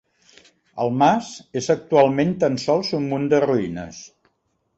El mas és actualment tan sols un munt de ruïnes.